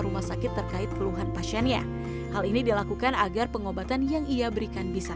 rumah sakit terkait keluhan pasiennya hal ini dilakukan agar pengobatan yang ia berikan bisa